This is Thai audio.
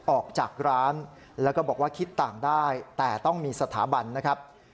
ออกจากร้านแล้วก็บอกว่าคิดต่างได้แต่ต้องมีสถาบันนะครับ